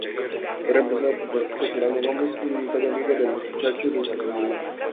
Fue reemplazado por Francisco Solano Gómez, un unitario amigo del Chacho y de Sarmiento.